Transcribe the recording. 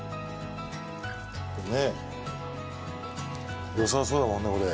ねっよさそうだもんねこれ。